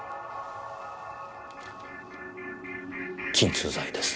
鎮痛剤です。